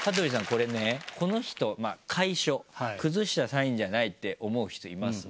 これねこの人まぁ楷書崩したサインじゃないって思う人います？